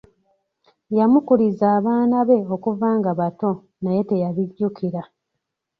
Yamukuliza abaana be okuva nga bato naye teyabijjukira.